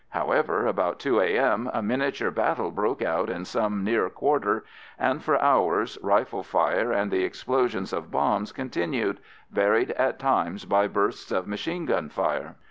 However, about 2 A.M., a miniature battle broke out in some near quarter, and for hours rifle fire and the explosions of bombs continued, varied at times by bursts of machine gun fire.